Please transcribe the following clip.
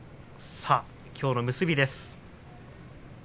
きょうの結びです。